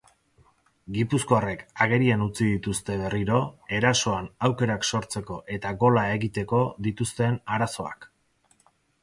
Gipuzkoarrek agerian utzi dituzte berriro erasoan aukerak sortzeko eta gola egiteko dituzten arazoak.